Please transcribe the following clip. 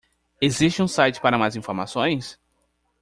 Existe um site para mais informações?